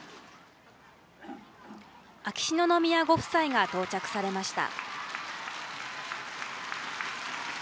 秋篠宮ご夫妻が到着されました。